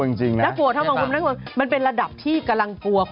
อ่ะคลิปมาไอ้น้ำ